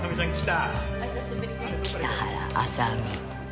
北原麻美。